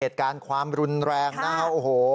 เหตุการณ์ความรุนแรงนะฮะโอ้โห